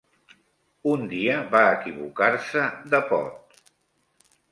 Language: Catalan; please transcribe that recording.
Un dia va equivocar-se de pot